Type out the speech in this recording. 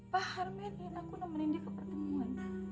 pak harman ingin aku nemenin dia ke pertemuan